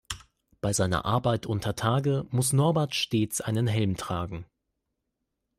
Bei seiner Arbeit untertage muss Norbert stets einen Helm tragen.